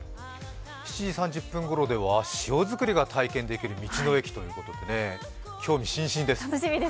７時３０分ごろでは塩作りが体験できる道の駅ということで興味津々です。